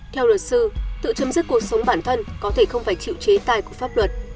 theo luật sư tự chấm dứt cuộc sống bản thân có thể không phải chịu chế tài của pháp luật